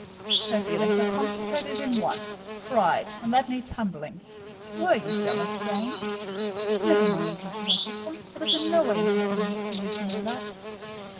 "Her feelings are concentrated in one—pride; and that needs humbling. Were you jealous, Jane?" "Never mind, Mr. Rochester: it is in no way interesting to you to know that.